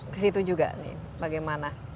kesitu juga nih bagaimana